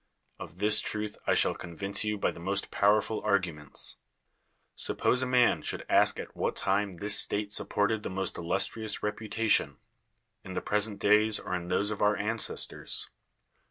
Of this truth I shall convince you by the most pov/erful arguments. Suppose a man should ask at what time this state supported the most illustrious reputation — in the present days, or in those of our ancestors?